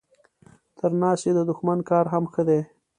تر ناستي د دښمن کار هم ښه دی.